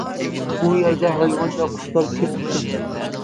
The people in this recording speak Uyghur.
ئۇ يەردە ھايۋان ۋە قۇشلار كۆپ ئىكەن.